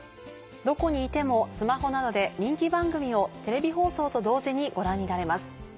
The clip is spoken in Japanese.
どこにいてもスマホなどで人気番組をテレビ放送と同時にご覧になれます。